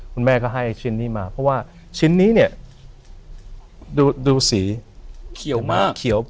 คุณแม่ก็ให้ชิ้นนี้มาเพราะว่าชิ้นนี้ดูสีเขียว